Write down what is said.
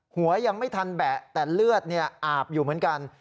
ยังไม่ทันแบะแต่เลือดอาบอยู่เหมือนกัน